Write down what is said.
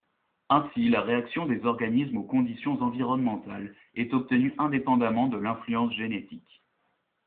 Ainsi, la réaction des organismes aux conditions environnementales est obtenue indépendamment de l'influence génétique.